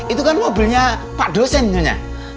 itu kan mobilnya pak dosen katanya